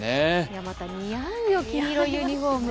また似合うよ、黄色いユニフォーム。